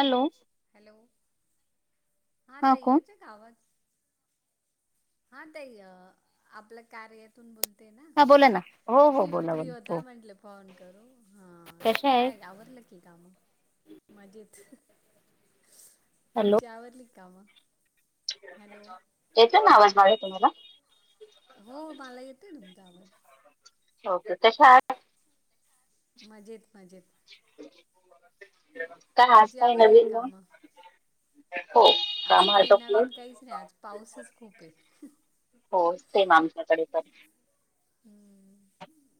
Hello hello, हा ताई, एतोय का आवाज? हा ताई, अ आपल्या कार्यातून बोल तेना हा बोला ना हो हो तुम्ही बोला बोला फ्री हो होता म्हटलं पोन करू. हा कशा आहे? काय आवरलं की काम मजेत, तुमची आवरली कामं? हॅलो एतोय ना आवाज माया तुम्हाला? हो मला येतोय तुमचा आवाज हो का कशा आहात? मजेत, मजेत काय, आज तुमची काय आवरली नवीन म? कामं आज काही नवीन काहीच नाही, आज पाऊसच खूप हे. हो, सेम आमच्याकडे पण हम्म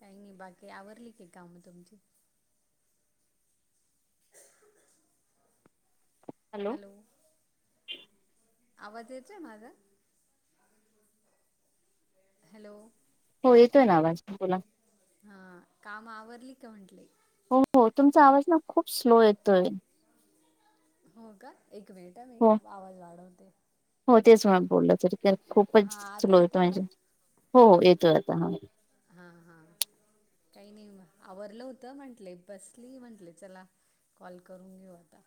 काही नाही बाकी आवरली की काम तुमची? हॅलो, आवाज येतोय माझा? हॅलो हो येतोय ना आवाज, बोला. हा, काम आवरली का म्हंटले? हो हो तुमचा आवाज ना खूप स्लो येतोय. हो का एक मिनिट हं मी हो आवाज वाढवते. हो तेच म बोललं तरी हा खूपच आता स्लो येतोय काय हो हो येतोय आता आ हा, हा काहीनी आवरलं होतं म्हंटले बसली म्हंटले चला कॉल करून घेऊ आता.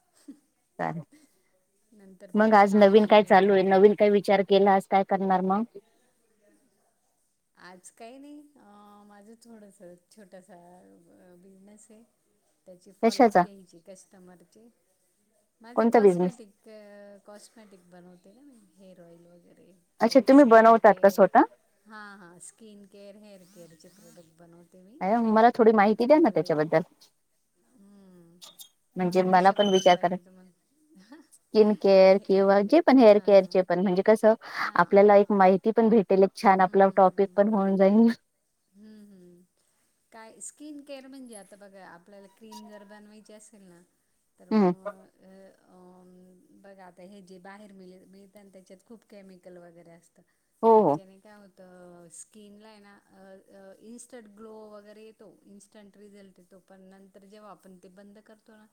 [unintelligible] नंतर मग परत आज कामं नवीन सुरू काय होऊन चालू आहे जातात नवीन काय विचार केला आज काय काय? [unintelligible] आज काही नाही अ माझं थोडस छोटासा बिझनेस हे. त्याची फॉलअप कशाचा घ्यायची कस्टमरची माझ कोणता बिझनेस कॉस्मेटिक कॉस्मेटिक बनवते ना मी हेअर ऑइल वगैरे हे अच्छा तुम्ही स्किन बनवतात का केअर स्वतः? हां skin care hair care product बनवत अ मला थोडी माहिती द्या ना त्याच्याबद्दल हम्म. म्हणजे अं, मला पण कशाबद्दल विचार कर पाहिजे तुम्हाला स्किन केअर हे किंवा जे पण हेअर हां केअरचे पण म्हणजे कसं हां आपल्याला एक माहिती पण भेट ले छान आपलं टॉपिक पण होऊन जाईन. हम्, हम् काय स्किन केअर म्हणजे आता बघा आपल्याला क्रीम जर बनवायची असेल ना तर म हम्म अ बघा आता हे जे बाहेर मिळ मिळतन त्याच्यात खूप केमिकल वगैरे अस हो हो त्याच्याने काय होतं स्किनला हेना इंस्टंट ग्लो वगैरे येतो, इन्स्टंट रिझल्ट येतो, पण नंतर जेव्हा आपण ते बंद करतो ना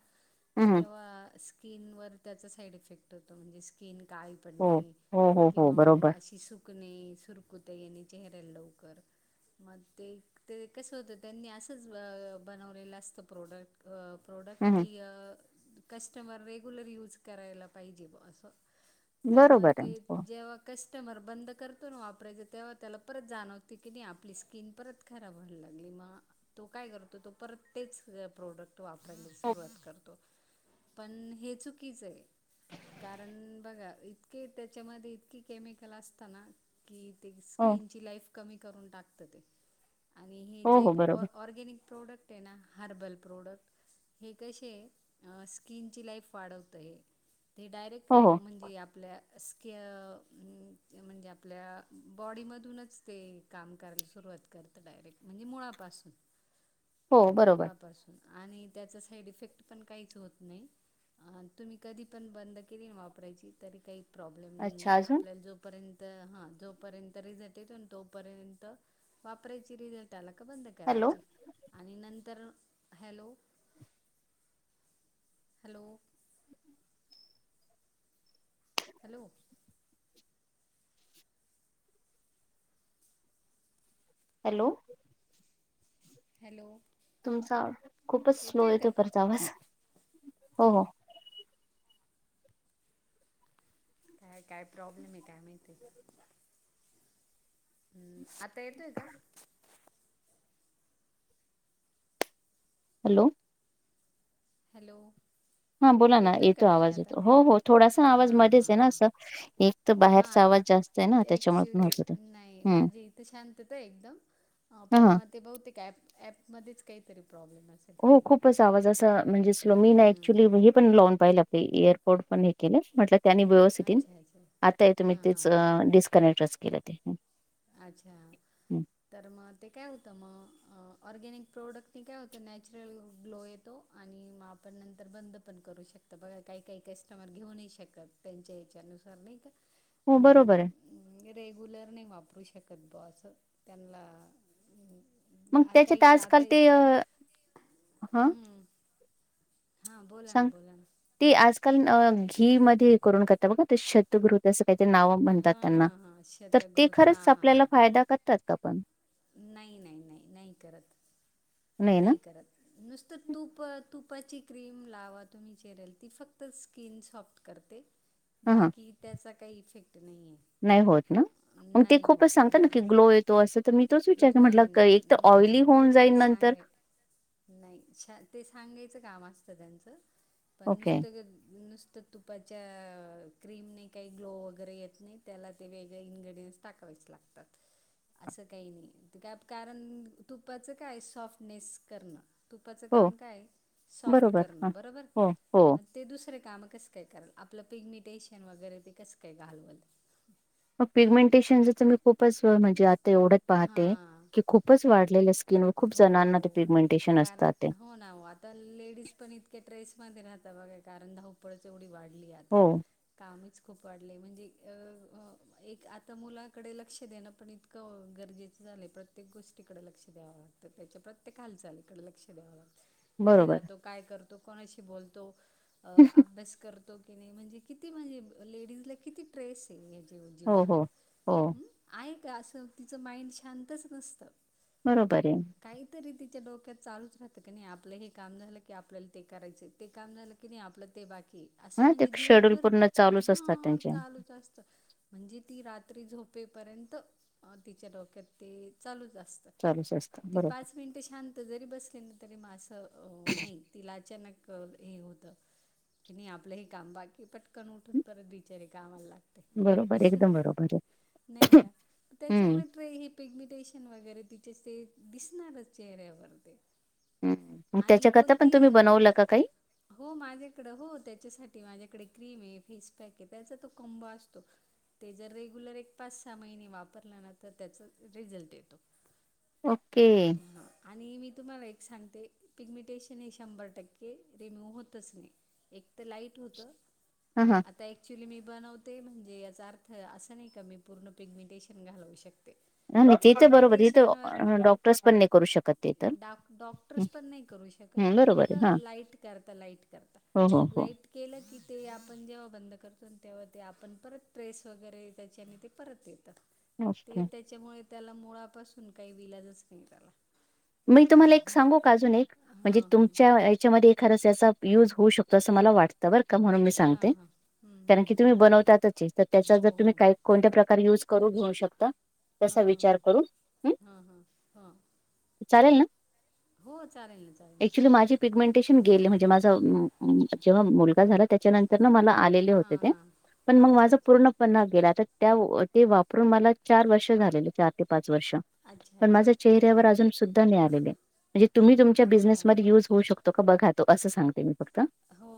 हम्म तेव्हा स्किनवर त्याचा साईड इफेक्ट होत म्हणजे स्किन काळी हो पडणे हो हो हो किंवा मग बरोबर अशी सु सुकणे, सुरकुत्या येणे चेहऱ्याल लवकर मग ते ते कस होतं त्यांनी असंच बनवलेलं असतं प्रोडक प्रोडक्ट हम्म की कस्टमर रेग्युलर यूज करायला पाहिजे ब असं. तर मग बरोबर ते आहे हो जेव्हा कस कस्टमर बंद करतो ना वापरायच तेव्हा त्याला परत जाणवती किनी आपली स्किन परत खराब व्हायला लागली मग तो काय करतो तो परत तेच प्रोडक्ट वापरायला हो सुरवात करतो पण हे चुकीच आहे. कारण बघा इतके त्याच्यामध्ये इतकीे केमिकल असत ना कि ते स्कीिनची लाईफ कमी करून टाकत ते. आणि हे हो जे हो बरोबर ऑर्गॅनिक प्रोडक्ट आहे ना हर्बल प्रोडक्ट हे कसे स्किनची लाईफ वाढवतय. ते डायरेक्ट हो हो म्हणजे आपल्या स्कि म्हणजे आपल्या बॉडीमधूनच ते काम करायला सुरुवात करत डायरेक्ट म्हणजे मुळापासून हो बरोबर. मुळापासून आणि त्याचा साईड इफेक्ट पण काहीच होत नाही. अ तुम्ही कधी पण बंद केली वापरायची तरी काही प्रॉब्लेम नाही अच्छा आहे अजून आपल्याला जोपर्यंत हां जोपर्यंत रिझट येतो आणि तो पर्यंत वापरायची रिझल्ट आला का बंद हॅलो करायची आणि नंतर hello. Hello. Hello. Hello. Hello. तुमचा खूपच स्लो येतोय का येतो परर्तवाज हो हो काय काय प्रॉब्लेम आहे काय माहिती हम्म आता येतय का? हॅलो. हॅलो. हा बोला ना येतोय का येतो ताई आवाज आता येतो हो हो थोडासा आवाज हां मध्येच हां आहे ना हां असं एक बाहेरचा आवाज जास्त आहे ना त्याच्यामुळे पण ऍक्च्युली होत ते नाही हं माझी इथे शांतता एकदम. हां पण हां मग ते बहुतेक ॲप ऍप मध्येच काहीतरी प्रॉब्लेम असेल. हो खूपच आवाज अस म्हणजे मी हम्म नाक्च्युली हे पण ल अहिल्याबाई एअरपोर्ट पण हे केले म्हटलं परत त्यानी व्यवस्थित येईल अच्छा अच्छा आता य तुम्ही हां तेच हां हां डिस्कनेक्टच केलं ते. अच्छा हं तर मग ते काय होतं मग अ ऑरगॅनिक प्रोडक्टने काय होतं नॅचरल ग्लो येतो. आणि आपण नंतर बंद पण करू शकतो. तर बघा, काही काही कस्टमर घेऊनही शकत त्यांच्या इच्छेनुसार नाही का? हो बरोबर आहे. अ रेग्युलर नाही वापरू शकत बॉ अस त्यांना मग अं, काही त्याच्यात काय आता आजकाल ते इतके हा हा बोला ना बोला ना. कान घी मध्ये करून करता बघा शतगृत असं का नाव म्हणतात हां त्यांना हां हां तर ते शतगृत हां खरंच हां आपल्याला हां फायदा करतात का पण? नाही नाही नाही नाही करत नाही करत नुसतं तूप तुपाची क्रीम लावा तुम्ही चेहऱ्याला ती फक्त स्किन सॉफ्ट करते. हां, हां. बाकी त्याचा काही इफेक नाही होत ना मग ते नाही खूपच होत सांगतात ना की नाही. ग्लो येतो अस तर मी तोच विचारते म्हटलं नाही नाही एक तर नाही ऑइली नाही होऊन जाईल ते नंतर सांग नाही ते सांगायचं काम असतं त्यांचं पण ओके. नुसतस तर तुपाच्या क्रीमने काही ग्लो वगैरे येत नाही, त्याला ते वेगळे इनग्रेडियनट्स टाकावे लागतात असं काही नाही का कारण तुपाच काय सॉफ्टनेस करणं तुपाचं हो, काम काय सॉफ्ट बरोबर. हां. करणं बरोबर हो, हो. मग ते दुसरे काम कस काय करल आपलं पिगमिटेशन वगैरे ते कस काय घालव? मग पिगमेंटेशनच त मी खूपच म्हणजे आता एवढच पाहते हां की खूपच वाढलेलं अस हो हो खूप कारण ते. हो ना हो आता लेडीज पण इतक्या ट्रेस म राहत. बघ कारण धावपळचवढी वाढली आता हो, कामच खूप वाढले. म्हणजे अ एक आता मुलाकडे लक्ष देणं पण इतकं गरजेचं. झाले प्रत्येक गोष्टीकडे लक्ष द्यावं लागतं. त्याच्या प्रत्येक हालचालीकडे लक्ष द्यावा लागत. कुठे बरोबर. जातो काय करतो? तो कोणाशी बोलतो? अ अभ्यास करतो की नाही? म्हणजे किती म्हणजे, लेडीज ला किती ट्रेस हो, हो. जीवनात् हो, आहे का असं तिचं माइंड शांतच नसतं. बरोबर. आहे. काहीतरी त डोक्यात चालू च रात की नाही. आपलं हे काम झालं की आपल्याला ते करायचय. ते काम झालं की नाही आपलं बाकी असं हां, ते म्हणजे शेड्यूल दिवसभर पूर्ण चालूच असतात हा त्यांचे. चालूच असत म्हणजे ती रात्री झोपेपर्यंत तिच्या डोक्यात ते चालूच अस चालूच अस्त. ती पाच मिनिट शांत जरी बसली ना. तरी मा असं नाही तिला अचानक हे होत, की नाही आपलं हे काम बाकी पटकन उठून परत बिचारे कामाला लागत बरोबर, ते. एकदम बरोबर आहे. नाही का? हं, त्याच्यामुळ हे पिगमिटेशन वगैरे वगैरे ति ते दिसणारच चेहऱ्यावर ते. आणि त्याच्याकरता पण कोणती तुम्ही अ बनवलं का काही? हो माझ्याकडें हो त्याच्यासाठी माझ्याकडे क्रीम आहे फेस पॅक आहे त्याचा तो कोंबों असतो ते जर रेगुलर एक पाच सहा महिने वापरलं ना तर त्याचा रिझल्ट येतो. ओके हां आणि मी तुम्हाला एक सांगते पिगमिटेशन हे शंभर टक्के रिमूव्ह होतच नाही.. एक तर लाईट होत हा हा आता ऍक्च्युली मी बनवते म्हणजे याचा अर्थ असं नाही का मी पूर्ण पिगमेंटेशन घालू शकते नाही नाही ते तर बरोबर त तर डॉक्टर्स पण नाही करू शकत ते तर डॉ हं, डॉक्टर्स पण नाही करू शकत हं. बरोबर फक्त आहे हा लाईट करता लाईट करता हो हो हो लाईट केलं की ते आपण जेव्हा बंद करतो तेव्हा ते आपण परत ट्रेस वगैरे त्याची आणि ते परत येतात ओके ते त्याच्यामुळे त्याला मुळापासून काही विलाजच नाही त्याला मी तुम्हाला एक सांगू का अजून एक म्हणजे हां हां तुमच्या याच्यामध्ये एखाद सहसा युज होऊ शकतो असं मला वाटतं म्हणून मि हां सांगते हां हं, हं, कारण की हं. तुम्ही बनवतात चीक हो हो करू घेऊ शकता तसा हां हां विचार करून हां हां हां चालेल ना हो चालेल ना चालेल एक्च्युली ना माझी पिग्मीटेंशन मि गेले म्हणजे माझं जेंव्हा मुलगा झाला त्याच्या नंतर मला आलेले होते हां ते हां पण मग अच्छा माझ अच्छा पूर्ण पण गेला त्या ते वापरून मला चार वर्ष झालेले चार ते पाच वर्ष अच्छा पण अच्छा माझ्या चेहऱ्यावर ओके अजून सुद्धा मिळालेले म्हणजे तुम्ही तुमच्या अच्छा बीजिनेस मध्ये यूज होऊ शकतो का बघा तो असं सांगते मी फक्त. हो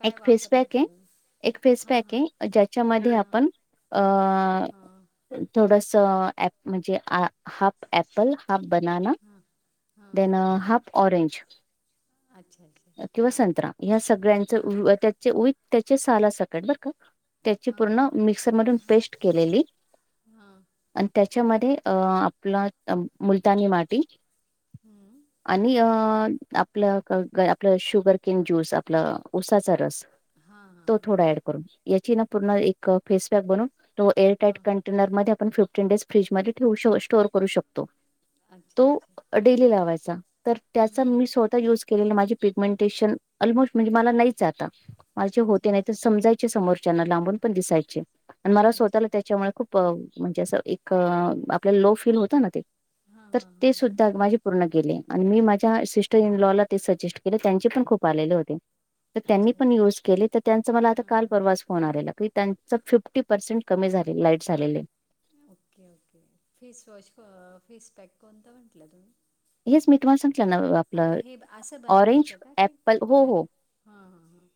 काय एक फेस वापरलं पॅक आहे तुम्ही एक फेस हां पॅक हां आहे ज्याच्यामध्ये हां आपण अ हां थोडस म्हणजे हाफ ऍपल हाफ बनाना हां हां देन हाफ ऑरेंज अच्छा अच्छा किंवा संत्रा ह्या सगळ्यांच हां त्याचे वि त्याचे साला सकट बर का त्याची हां हां पूर्ण मिक्सर मधून पेस्ट केलेली हां आणि त्या त्याच्यामध्ये आपला मुलतानी माती हां आणि आपलं आपलं शुगर किन ज्यूस आपला उसाचा रस हां तो हां थोडा ऍड करून याची ना पूर्ण एक फेस पॅक बनून तो एअर टाईट हां कंटेनरमध्ये आपण फिफ्टीन डेज फ्रीजमध्ये ठेवू स्टोअर करू शकतो. अच्छा तो अच्छा डेली लावायचा तर त्याचा हम्म मी स्वतः युज के माझे पिगमेंटेशन ऑलमोस्ट म्हणजे मला नाहीच आता मला जे होते अच्छा नाही अच्छा समजायचे समोर ज्यांना लांबून पण दिसायचे आणि मला अच्छा स्वतःला त्याच्यामुळे खूप म्हणजे असं एक आपल्याला लो फीलल होत ना ते हां तर हां ते हां सुद्धा माझे पूर्ण गेले आणि मी माझ्या सिस्टर इन लॉ ला ते सजेस्ट केले त्यांचे पण खूप आलेले केले होते तर त्यांनी अच्छा पण अच्छा युज केले तर त्यांचं मला काल हां परवाच फोन आलेला त्यांच फिफ्टी पर्सेंट कमी झाल लाईट झालेले ओके ओके फेसवॉश फेसपॅक कोणता म्हटलं तुम्ही येस मी तुम्हाला सांगते आता हे असं बनवायचं का ते ऍप्पल हो अ हो ह ह ह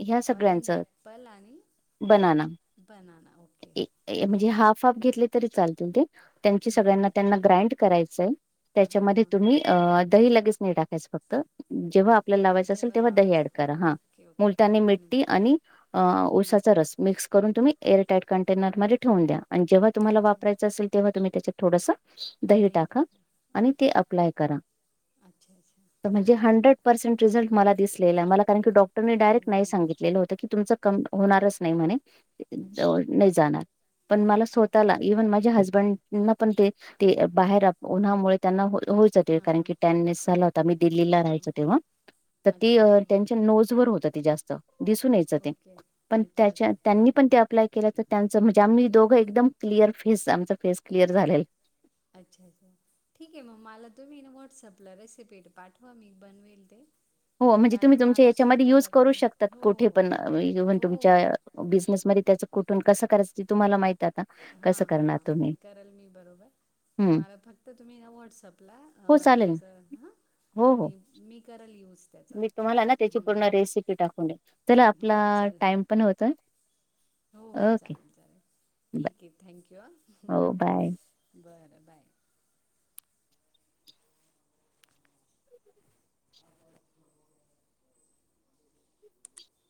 ह्या ऑरेंज सगळ्यांचं ऍप्पल आणि बनाना बनाना ओके हं, म्हणजे हाफ हफ घेतले तरी चाल ते त्यां हं, सगळ्यांना हं. त्यांना ग्राड करायंय हां त्याच्यामध्ये हां तुम्ही दही लगेच नाही टाकायचं फक्त जेव्हा फक्त आपल्याला हां लावायचं असेल जेव्हा तेव्हा दही लावायचं ऍड तेव्हा करा हा ओके ओके मुलट्यानी हं, मिट्टी आणि हं. ओसाचा रस मिक्स करून तुम्हीअरटाईट कंेरध्येेवून द्या जव्हाुम्हाला अच्छा वापरायचंेल तेव्हा तुम्ही त्याच्या थोडं दही टाका आणि ते अप्लाय करा अच्छा अच्छा म्हणजे हंड्रेड पर्सेंट रिझल्ट मला दिलेला मलाण डॉटर डायरेक्ट हं, नाही हं. सांगितलेलं होत की तुमचं होणारच नाही म्हणे अच्छा नाही जाणार पण मला अच्छा स्वतःला हां इव्हन माझ हजबंड ना पण ते बाहेर उन्हामुळे त्यांना होयचं ते कारण हां की टॅननेस झाला होता मी दिल्लीला हां राहायचं तेव्हा तर ते अच्छा अच्छा त्यांच्या नोज वर होत जास्त दिसून यायचं ते ओके पण अच्छा अच्छा त्यांनी पण ते अप्लाय तर त्यांच म्हणजे आम्ही दोघं एकदम क्लिअर फेस आमचा फेस क्लिअर झालेल अच्छा अच्छा ठीक आहे मग मला तुम्ही व्हॉट्सअपला रेसिपी पाठवा मी बनवेल ते हो म्हणजे कारण तुम्ही तुमच्या मला याच्यामध्ये युज स्वतःला करू पण शकता हो कुठे पण हो हो तुमच्या हो बिझनेसमध्ये त्या कुठून कस करायचं तुम्हाला माहिती हा हा हा ते करेल मी बरोबर हम्म. मला फक्त तुम्ही ना व्हॉटसअपला हो चालेल. त्याच ह हो हो. मी मी कराल यऊज मी तुम्हाला ना त्याची पूर्ण रेसिपी टाकून दे चला आपला हो चालेल टाइम पण होत हो हो चालेल चालेल बाय ठीक आहे थँक यू हो बाय. ह बर बाय [inaudible]